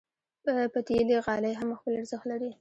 پتېلي غالۍ هم خپل ارزښت لري.